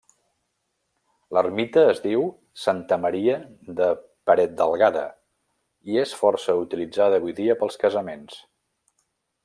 L'ermita es diu Santa Maria de Paretdelgada i és força utilitzada avui dia pels casaments.